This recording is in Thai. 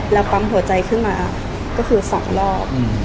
แล้วปั๊มหัวใจขึ้นมาก็คือ๒รอบ